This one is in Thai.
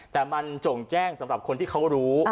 แต่มันจงแจ้งสำหรับคนที่เขารู้